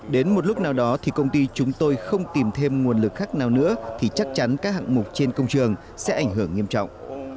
đến một lúc nào đó thì công ty chúng tôi không tìm thêm nguồn lực khác nào nữa thì chắc chắn các hạng mục trên công trường sẽ ảnh hưởng nghiêm trọng